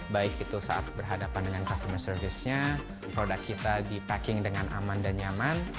baik itu saat berhadapan dengan customer service nya produk kita di packing dengan aman dan nyaman